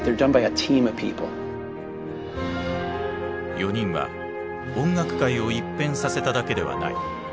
４人は音楽界を一変させただけではない。